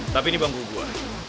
tapi ini bangku gue